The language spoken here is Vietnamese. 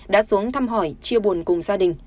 đã xuống thăm hỏi chia buồn cùng gia đình